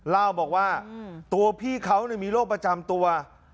เล่าบอกว่าตัวพี่เขามีโรคประจำตัว